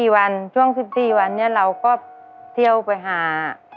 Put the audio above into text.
๔วันช่วง๑๔วันนี้เราก็เที่ยวไปหา